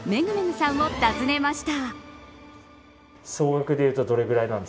さんを訪ねました。